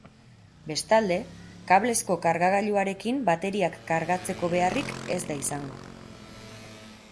Bestalde, kablezko kargagailuarekin bateriak kargatzeko beharrik ez da izango.